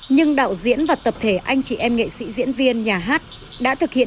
nhưng đạo diễn và tập thể anh chị em nghệ sĩ diễn viên